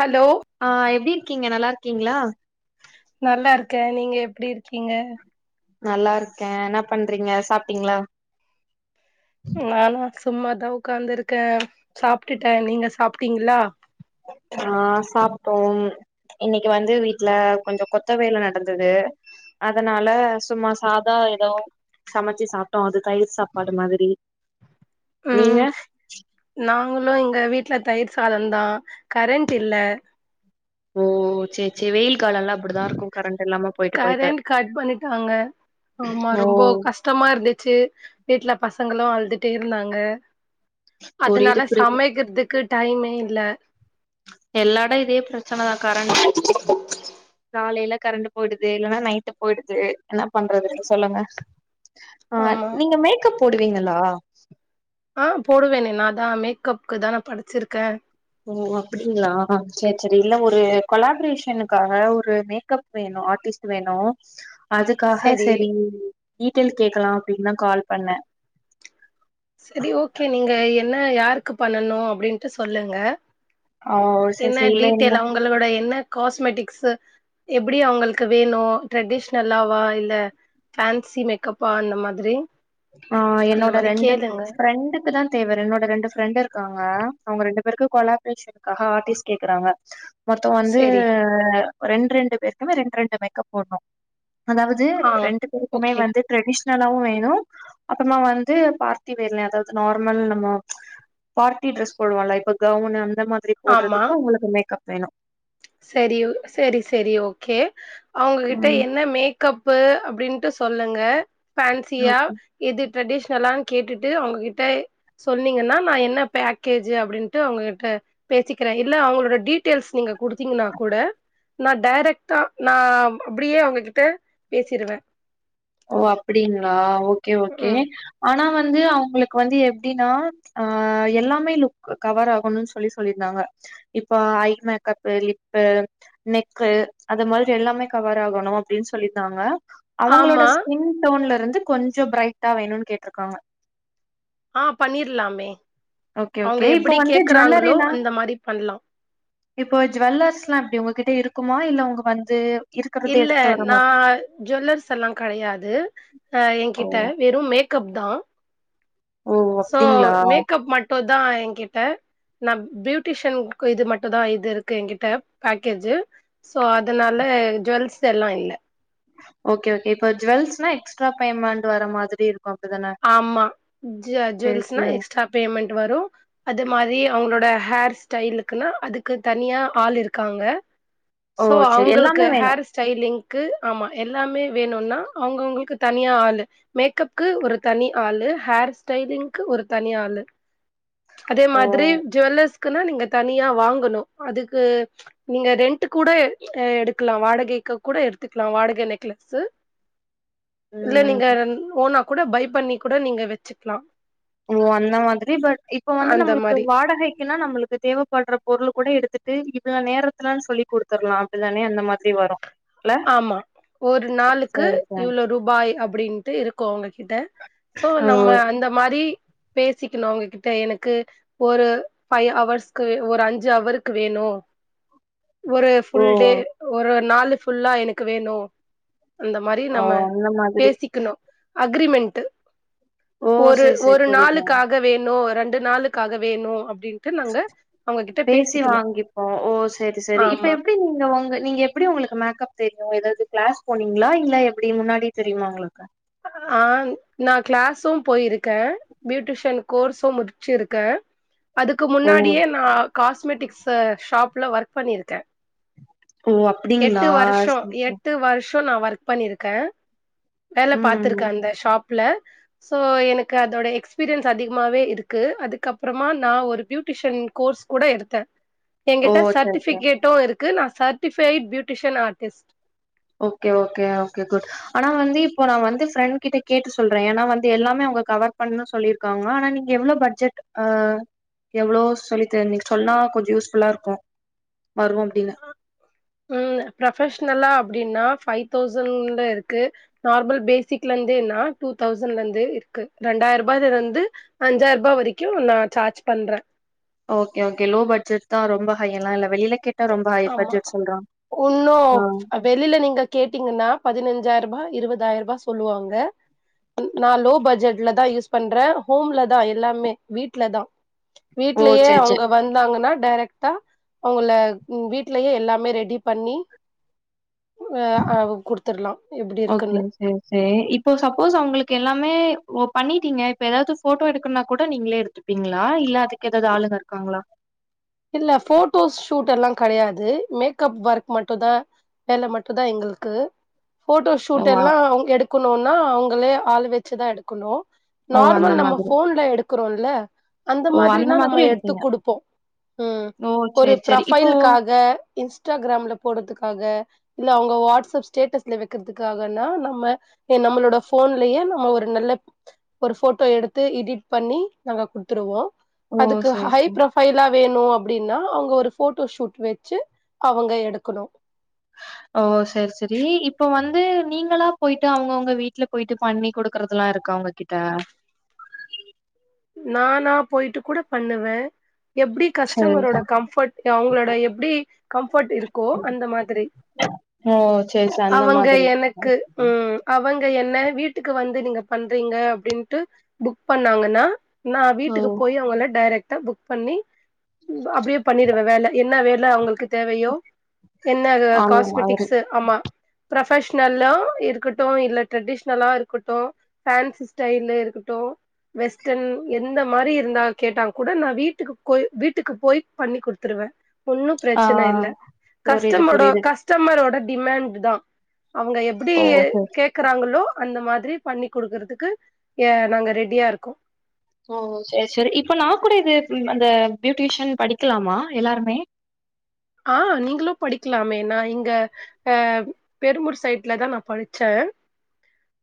Hello ஆஹ் எப்டி இருக்கீங்க நல்லாருக்கீங்ளா க்க நீங்க எப்டி இருக்கீங்க நல்லா இருக்கேன் என்னா பண்றீங்க சாப்ட்டீங்ளா வேனா சும்மாதான் உக்காந்துருக்கேன் சாப்ட்டுட்டேன் நீங்க சாப்ட்டீங்ளா ஆஹ் சாப்ட்டோம் இன்னிக்கு வந்து வீட்ல கொஞ்சோம் கொத்த வேல நடந்துது அதனால சும்மா சாதம் ஏதோ சமைச்சு சாப்ட்டோம் அது தயிர் சாப்பாடு மாதிரி நீங்க ங்களும் இங்க வீட்ல தயிர் சாதம் தான் கரண்ட் இல்ல ஓ சேர்சேரி வெயில் காலல்லா அப்டிதா இருக்கு கரண்ட் இல்லாம போயிட்டு போயிட்டு கரண்ட் கட் பண்ணிட்டாங்க ஆமா ஓ ரொம்போ கஷ்டமா இருந்துச்சு வீட்ல பசங் பசங்களூம் அழுதுட்டே இருந்தாங்க புரியுது அதுனால புரியுது சமைக்கிறதுக்கு டைமே இல்ல இல்ல எல்லாடம் இதே பிரச்சனதான் கரண்ட் [inaudible] காலைல கரண்ட் போய்டுது இல்லன்னா நைட்டு போய்டுது என்ன பண்றது சொல்லுங்க ஆஹ் ஆமா நீங்க மேக்கப் போடுவீங்களா ஆஹ் போடுவேனெ நான் தான் மேக்கப்கு தான் நான் படிச்சிருக்கேன் ஓ அப்படிங்களா செரி செரி இல்ல ஒரு கொலாபரேஷனுக்காக ஒரு மேக்கப் வேணும் ஆர்ட்டிஸ்ட் வேணும் அதுக்காக செரி டீடெயில் கேக்கலாம் அப்படின்னு தான் கால் பண்ணன் செரி ஓகே நீங்க என்ன யாரு க்கு பண்ணணும் அப்படின்ட்டு சொல்லுங்க ஆ செரி என்ன செரி இல்ல இல்ல டீட்டெயல் அவங்களோட என்ன காஸ்மெட்டிக்ஸ் எப்படி அவங்களுக்கு வேணும் ட்ரெடிஷ்னலாவா இல்ல ஃபன்சி மேக்கப்பா அந்த மாதிரி ஆஹ் அந்த என்னோட ர மாரி கேளுங்க ஃப்ரெண்டுக்கு தான் தேவ என்னோட ரெண்டு ஃப்ரெண்ட் இருக்காங்க அவங்க ரெண்டு பேருக்கும் கொலாப்ரேஷனுக்காக ஆர்டிஸ்ட் கேக்குறாங்க மொத்தம் வந்து செரி ஒரு ரெண்டு ரெண்டு பேருக்குமே ரெண்டு ரெண்டு மேக்கப் போடணும் அதாவது ஆ ரெண்டு பேருக்குமே ஓகே வந்து ட்ரெடிஷன் நல்லாவும் வேணும் அப்புறமா வந்து பார்ட்டி வேர்ல அதாவது நார்மல் நம்ம பார்ட்டி ட்ரெஸ் போடுவம்ல இப்ப கவுன் அந் ந்த மாதிரி ஆமா போடுறதுக்கும் உங்களுக்கு மேக்கப் வேணும் சரி சரி சரி ஓகே அவங்ககிட்ட ம். என்ன மேக்கப் ப்பு அப்படின்னுட்டு சொல்லுங்க ஃபேன்சியா ஓகே. எதிர் ட்ரெடிஷ்னலான்னு கேட்டுட்டு அவங்ககிட்ட சொன்னீங்கன்னா நா என்ன பேக்கேஜு அப்படின்ட்டு அவங்ககிட்ட பேசிக்கிறேன் இல்ல அவங்களோட டீட்டெயில்ஸ் நீங்க குடுத்தீங்கன்னா கூட நா டேடைரக்டா நா அப்டியே அவங்ககிட்ட பேசிருவே ஓ அப்ப்டங்களா ஓகே ஓகே ம் ஆனா வ வந்து அவங்களுக்கு வந்து எப்படின்னா அ எல்லாமே லுக் கவர் ஆகணும்னு சொல்லி சொல்லியிருந்தாங்க இப்ப ஐ மேக்கப் லிப்பு நெக்கு அது மாதிரி எல்லாமே கவர் ஆகணும் அப்படின்னு சொல்லியிருந்தாங்க ஆமா டவுன்ல இருந்து கொஞ்சம் பிரைட்டா வேணும்னு கேட்ருக்காங்க ஆ பண்ணிரலாமே ஓகே, அவங்க ஓகே. இப்ப எப்டி வந்து கேக்குறாங்களோ ஜுவல்லரிலாம் அந்த மாரி பண்ணலாம் இப்போ ஜுவல்லர்ஸ்லா எப்டி உங்ககிட்ட இருக்குமா இல்ல அவங்க வந்து இருக்கிறதே இல்ல எடுத்துட்டு வர நா மாட் ஜுவல்லர்ஸ் எல்லாம் கடையாது அ ஓ! என்கிட்ட வெறும் மேக் கப்தா ஓ சோ அப்டிங்களா? மேக்கப் மட்டோத் தா என்கிட்ட நா பியூட்டிஷன் இது மட்டுதா இது இருக்கு என்கிட்ட பேக்கேஜு சோ அதுனால ஜுவல்ஸ்லாம் இல்ல ஓகே ஓகே இப்ப ஜுவல்ஸ்னா எக்ஸ்ட்ரா பேமண்ட் வர மாதிரி இருக் ஆமா ஜ சரி, ஜீவல்ஸ்னா சரி. எக்ஸ்ட்ரா பேமண்ட் வரும் அது மாரி அவங்களோட ஹேர் ஸ்டைலுக்குனா அதுக்கு தனியா ஆள் இருக்காங்க ஓ! சோ சரி. அவங்களுக்கு எல்லாமே வேணும். ஹேர் ஸ்டைலிங் க்கு ஆமா எல்லாமே வேணும்னா அவங்கவுங்களுக்கு தனியா ஆளு மேக்கப்க்கு ஒரு தனி ஆளு ஹேர் ஸ்டைலிங்கு ஒரு தனி ஆளு அதே ஓ! மாதிரி ஜுவல்லர்ஸ் க்குனா நீங்க தனியா வாங்கணும் அதுக்கு நீங்க ரெண்ட் கூட எடுக்கலாம் வாடகைக்கு கூட எடுத்துக்கலாம் வாடகை நெக்லசு இல்ல ம். நீங்க ரு ஓனா கூட பைப் பண்ணி கூட நீங்க வச்சுக்லாம் ஓ அந்த மாதிரி பட் இப்ப வந்து அந்த நம்மளுக்கு மாரி வாடகைக்குனா நம்மளுக்கு தேவைப்படுற பொருள் கூட எடுத் த்துட்டு இவ்ளோ நேரத்துலனு சொல்லி கொடுத்தர்லாம் அப்டிதானே அந்த மாதிரி வரும் இல்ல? ஆமா ஒரு நாளுக்கு சரி, சரி. இவ்ளோ ரூபாய் அப் அப்படின்ட்டு இருக்கும் அவங்கிட் கிட்ட சோ ஓ! நம்ம அந்த மாரி பேசிக்கணும் உங்ககிட்ட எனக்கு ஒரு ஃபைவ் ஹவர்ஸ் ஒரு அஞ்சு அவருக்கு வேணும் ஒரு ஓ! ஃபுல் டே ஒரு நாலு ஃபுல்லா எனக்கு வேணு அந்த மாரி ஓ! நம்ம அந்த மாதிரி. பேசிக்கணும் அக்ரிமெண்ட் ட்டு ஓ! ஒரு சரி, சரி. ஒரு புரியுது. நாளுக்காக வேணும் ரெண்டு நாளுக்காக வேணு அப் பேசி வாங்கிப்போம் ஓ செரி செரி இப்ப ஆமா எப்டி நீங்க உங்க நீங்க எப்டி உங்களுக்கு மேக் தெரியும் ஏதாவது கிளாஸ் போனீங்களா இல்ல எப்டி முன்னாடி தெரியுமா உங்களுக்கு ஆஹ் நான் கிளாசும் போயிருககேன் பியூட்டிஷன் கோர்ஸும் முடிச்சிருக்கேன் அதுக்கு ஓ முன்னாடியே நா காஸ்மெட்டிக்ஸ் ஷாப்ல ஒர்க் பண்ணிருக்கேன் ஓ அப்டிங்களா நான் ஒர்க் பண்ணிருக்கேன் வேல பாத்திருக்கே ம் அந்த ஷாப் ல சோ எனக்கு அதோட எக்ஸ்பீரியன்ஸ் அதிகமாவே இருக்கு அதுக்கப்பறமா நா ஒரு பியூட்டிஷியன் கோர்ஸ் கூட எடுத்தேன் ஓ எங்கிட்ட செரி செரி சர்டிபிகேட்டும் இருக்கு நா சத்து ஃபயிட் பியூட்டிஷியன் ஆர்டிஸ்ட் ஓகே கே ஓகே குட் ஆனா வந்து இப்போ நான் வந்து ஃப்ரெண்ட் கிட்ட கேட்டு சொல்றேன் ஏன்னா வந்து எல்லாமே அவங்க கவர் பண்ணனு சொல்லியிருக்காங்க ஆனா நீங்க எவ்வளவு பட்ஜெட் ஆஹ் எவ்வளோ சொல்லி நீ சொன்னா கொஞ்சம் யூஸ்ஃபுல்லா இருக்கும் உம் ப்ரொபெஷ்னலா அப்படின்னா பைவ் தௌசண்ட்ல இருக்கு நார்மல் பேசிக்ல இருந்தேனா டூ தௌசண்ட்ல இருந்து இருக்கு ரெண்டாயிரம் ரூபாயல இருந்து அஞ்சாயிரம் ரூபாய் வரைக்கும் நான் சார்ஜ் பண்றேன் ஓகே ஓகே லோ பட்ஜெட் தான் ரொம்ப ஹை எல்லாம் இல்ல வெளியில கேட்டா ரொம்ப ஹை ஆமா பட்ஜெட் சொல்றாங்க இன்னும் ஆ வெளில நீங்க கேட்டீங்கன்னா பதினஞ்சு அஞ்சாயிர ரூபா இருபதாயிர ரூபா சொல்லுவாங்க நான் லோ பட்ஜெட்ல தான் யூஸ் பண்றேன் ஹோம்ல தான் எல்லாமே வீட்லதான் ஓ வீட்லயே செரி செரி அவங்க வந்தாங்கன்னா டைரக்ட்டா அவங்கள உ வீட்லயே எல்லாமே ரெடி பண்ணி அ அ குடுத்துர்லா எப்டி ஓகே இருக்குன்னு செரி செரி இப்போ சப்போஸ் அவங்களுக்கு எல்லாமே ஓ பண்ணிட்டீங்க இப்ப ஏதாவது போட்டோ எடுக்கனா கூட நீங்களே எடுத்துப்பீங்களா இல்ல அதுக்கு ஏதாவது ஆளுகா இருக்காங்களா இல்ல போட்டோஸ் ஷூட் எல்லாம் கெடையாது மேக்கப் ஒர்க் மட்டும் தான் வேல மட்டும் தான் எங்களுக்கு போட்டோ ஓ! ஷூட் எல்லாம் அவங்க எடுக்கணும்னு அவங்களே ஆள் வெச்சுதான் எடுக்கணும் அ ஓ அந்த நார்மல் நம்ம மாதிரி. ஃபோன்ல எடுக் இருக்கறோல்ல அந்த ஓ மாதிரினா நம்ம மாதிரி எடுத்து எடுப்பீங்க. குடுப்போ ம் ஓ ஒரு சரி, சரி. இப்போ ப்ரொபைலுக்காக இன்ஸ்டாகிராம்ல போடுறதுக்காக இல்ல அவுங்க வாட்ஸ்ப் ஸ்டேட்டஸ்ல வெக்கிறதுக்கானா நம்ம நம்மளோட போன்லயே நம்ம ஒரு நல்ல ஒரு போட்டோ எடுத்து எடிட் பண்ணி நாங்க குடுத்துருவோ ஓ அதுக்கு சரி, ஹை சரி. ப்ரொபைலா வேணு அப்படினா அவுங்க ஒரு போட்டோ ஷூட் வச்சி அவுங்க எடுக்கணு ஓ செரி செரி இப்ப வந்து நீங்களா போயிட்டு அவுங்கவுங்க வீட்டுல போயிட்டு பண்ணி குடுக்கறதுல்லா இருக்கா அவுங்க கிட்ட நானா போயிட்டு கூட பண்ணுவே எப்படி சரி. கஸ்டமரோட கம்ஃபர்ட் அவங்களோட எப்படி கம்ஃபர்ட் இருக்கோ அந்த மாதிரி ஓ சரி, சரி. அந்த அவங்க மாதிரி. எனக்கு ம் அவங்க என்ன வீட்டுக்கு வந்து நீங்க பண்றீங்க அப்டின்ட்டு புக் பண்ணாங்கன்னா நா ஓ வீட்டுக்கு போய் அவுங்கள டைரக்ட் ட புக் பண்ணி அப்படியே பண்ணிருவே வேல என்ன வேல அவுங்களுக்கு தேவையோ என்ன அந்த மாதிரி. காஸ்மெட்டிக்ஸு ஆமா ப்ரொபஷனல்லா இருக்கட்டு இல்ல ட்ரெடிஷ்னலா இருக்கட்டு ஃபேன்சி ஸ்டைல்லு இருக்கட்டு வெஸ்ட் டன் எந்த மாரி இருந்தா கேட்டா கூட நா வீட்டுக்கு போய் வீட்டுக்கு போய் பண்ணி குடுத்துருவே ஒன்னும் ஆ பிரச்சன இல்ல புரியுது, கஸ்டமடோ புரியுது. கஸ்டமரோட டிமேண்ட் தா அவுங்க எப்படி ஓ சரி. கேக்கறாங்களோ அந்த மாதிரி பண்ணி குடுக்குறதுக்கு எ நாங்க ரெடியா இருக்கோ ஓ செரி செரி இப்ப நா கூட இது அந்த பியூட்டிஷியன் படிக்கலாமா எல்லாருமே ஆ நீங்களு படிக்கலாமே நான இங்க அ பெருமூர் சைட்ல தா நா படிச்சே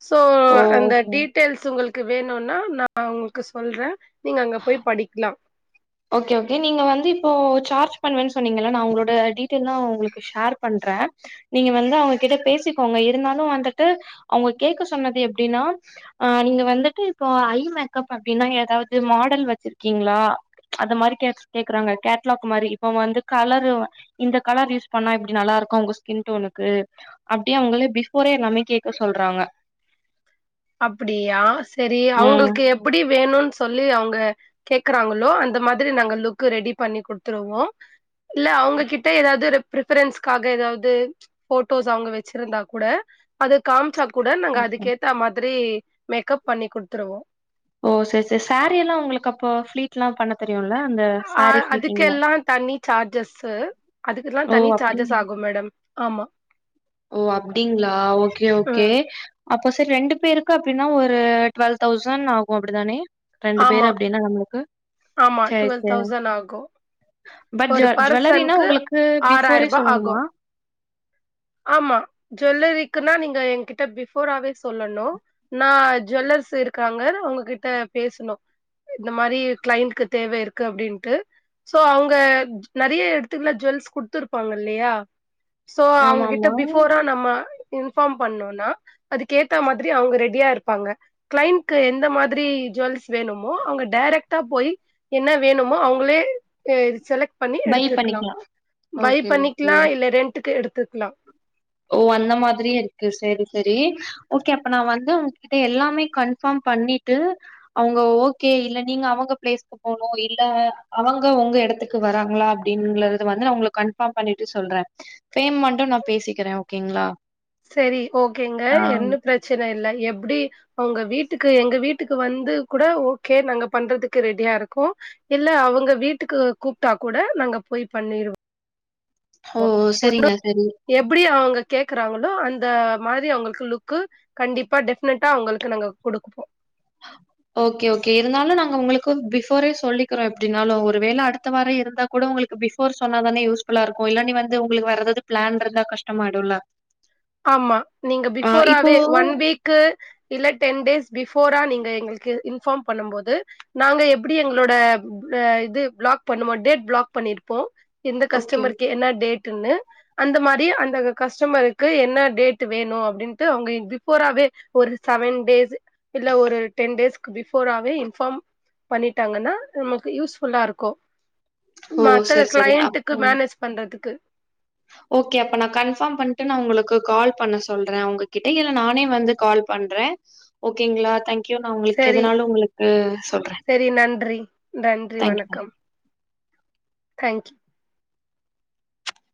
சோ ஓ அந்த சேர் டீடெயல்ஸ் உங்களுக் கு வேணுனா நா உங்களுக்கு சொல்றே நீங்க அங்க போய் படிக்கலா ஓகே ஒகே நீங்க வந்து இப்போ சார்ஜ் பண்ணுவன் சொன்னீங்க இல்ல நா உங்களோட டீட்டெயல்லா உங்களுக்கு ஷேர் பண்றே நீங்க வந்து அவுங்ககிட்ட பேசிக்கோங்க இருந்தாலு வந்துட்டு அவுங்க கேக்க சொன்னது எப்படின்னா அ நீங்க வந்துட்டு இப்போ ஐ மேக்கப் அப்படின்னா ஏதாவது மாடல் வச்சிருக்கீங்களா அந்ந மாரி கேக் கேக்குறாங்க கேட்லாக் மாரி இப்ப வந்து கலரு இந்த கலர் யூஸ் பண்ணா இப்படி நல்லா இருக்கு அவுங்க ஸ்கின் டோனுக்கு அப்டியே அவுங்கள பிஃபோரே எல்லாமே கேக்க சொல்றாங்க அப்படியா செரி ம் அவுங்களுக்கு எப்படி வேணுன் சொல்லி அவேங்க கேக்குறாங்களோ அந்த மாதிரி நாங்க லுக் ரெடி பண்ணி குடுத்துருவோ இல்ல அவங்ககிட்ட ஏதாவது பிரிபரன்ஸ்காக ஏதாவது போட்டோஸ் அவுங்க வச்சிருந்தா கூட அது காம்சா கூட நாங்க ஓகே அதுக்கேத் மாதிரி மேக்கப் பண்ணி குடுத்துருவோ ஓ செரி செரி சாரீ எல்லா உங்களுக்கு அப்போ ப்ளீட் எல்லா பண்ண தெரியுல அ அதுக்கெல்லாம் தனி சார்ஜஸு அதுக்கெல்லா ஓ தனி அப்டிங் சார்ஜஸ் ஆகு மேடம் ஆமா ஓ அப்டிங்ளா ஓகே ஓகே ம் அப்போ சரி ரெண்டு பேரு அப்படின்னா ஒரு டுவெல் தௌசண்ட் ஆகும் அப்படிதானே ரெண்டு பேர் ஆமா அப்படின்னா நம்மளுக்கு ஆமா செரி டுவெல் செரிங் தௌசண்ட் ஆகு பட் ஒரு ஜுவல்லரினா பர்சனுக்கு உங்களுக்கு ஆறாயிரம் பிஃபோரே ரூபாய் சொல்லணுமா ஆகும் ஆமா ஜுவல்லரிக்குன்னா நீங்க எங்கிட்ட பிஃபோராவே சொல்லணும் ந ஜுவல்லர்ஸ் இருக்காங்க அவங்ககிட்ட பேசணும் இந்த மாதிரி கிளைண்ட்கு தேவ இருக்கு அப்படின்ட்டு சோ அவங்க நறைய எடத்துக்குல ஜுவல்ஸ் குடுத்துருப்பாங்க இல்லையா சோ அவங் ஆமா கிட்ட ஆமா பிஃபோரா நம்ம இன்ஃபார்ம் பண்ணும்னா அதுக்கு ஏத்த மாதிரி அவங்க ரெடியா இருப்பாங்க கிளைண்ட்கு எந்த மாதிரி ஜுவல்ஸ் வேணுமோ அவங்க டைரெக்டா போய் என்ன வேணுமோ அவங்களே செலக்ட் பண்ணி பை எடுத்துக்கலாம் பண்ணிக்கலாம் பை ஓகே ஓகே பண்ணிக்கலாம் இல்ல ரெண்டக்கு எடுத்து துக்லாம் ஓ அந்த மாதிரிய இருக்கு செரி செரி ஓகே அப்ப நான் வந்து உங்ககிட்ட எல்லாமே கன்ஃபார்ம் பண்ணிட்டு அவங்க ஓகே இல்ல நீங்க அவங்க பிளேஸ்கு போனும் இல்ல அவங்க உங்க எடத்துக்கு வராங்களா அப்படிங்குறது வந்து நான் உங்களுக்கு கன்ஃபார்ம் பண்ணிட்டு சொல்றேன் பேமெண்டும் நான் பேசிக் குறேன் ஓகேங்களா செரி ஓகேங்க ஆ, என்ன பிரச்சனை இல்ல எப்படி அவங்க வீட்டுக்கு எங்க வீட்டுக்கு வந்து கூட ஓகே நாங்க பண்றதுக்கு ரெடியா இருக்கோம் இல்ல அவங்க வீட்டுக்கு கூப்பிட்டா கூட நாங்க போய் பண்ணிருவோம் ஓ சரிங்க ஒண்ணும் சரி எப்படி அவங்க கேக்குறாங்களோ அந்த மாதிரி அவங்களுக்கு லுக் கண்டிப்பா டெஃபினட்டா அவங்களுக்கு நாங்க குடுப்போம் ஓகே ஓகே இருந்தாலும் நாங்க உங்களுக்கு பிஃபோரே சொல்லிக்கிறோம் எப்படின்னாலும் ஒருவேளை அடுத்த வாரம் இருந்தா கூட உங்களுக்கு பிஃபோர் சொன்னாதானே யூஸ்ஃபுல்லா இருக்கும் இல்லான்ன வந்து உங்களுக்கு வர்றது பிளான் இருந்தா கஷ்டமாயிடும்ல ஆமா நீங்க ஆ இப்போ பிஃபோராவே ஒன் வீக்கு இல்ல டென் டேஸ் பிஃபோரா நீங்க எங்களுக்கு இன்ஃபார்ம் பண்ணும் போது நாங்க எப்படி எங்களோட இது பிளாக் பண்ணமோ டேட் பிளாக் பண்ணிருப்போம் எந்த ஓகே கஸ்டமருக்கு என்ன டேட் னு அந்த மாதிரி அந்த கஸ்டமர் கு என்ன டேட் வேணும் அப்படின்னுடு பிஃபோராவே ஒரு செவன் டேய்ஸ் இல்ல ஒரு டென் டேய்ஸ் பிபோர்வே இன்பார்ம் பண்ணிட்டாங்கன்னா நமக்கு யூஸ்ஃபுல்லா இருக்கும் ஓ மத்த சரி சரி கிளையண்ட்டுக்கு அப்போ மேனேஜ் பண்றதுக்கு ஓகே அப்ப நான் கன்ஃபார்ம் பண்டு நான் உங்களுக்கு கால் பண்ண சொல்றேன் உங்ககிட்ட இல்ல நானே வந்து கால் பண்றேன் ஓகேங்களா தேங்க் நான் உங்களுக்கு சரி, எதனாலும் உங்களுக்கு சொல்றேன் சரி நன்றி. நன்றி தேங்க் யூ. வணக்கம் தேங்